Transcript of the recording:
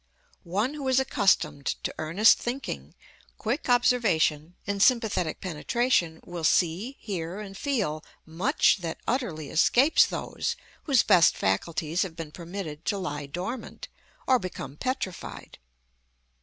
One who is accustomed to earnest thinking, quick observation and sympathetic penetration will see, hear and feel much that utterly escapes those whose best faculties have been permitted to lie dormant, or become petrified.